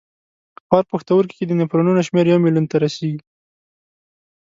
په هر پښتورګي کې د نفرونونو شمېر یو میلیون ته رسېږي.